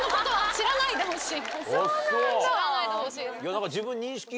知らないでほしい。